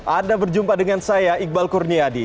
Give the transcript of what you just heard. anda berjumpa dengan saya iqbal kurniadi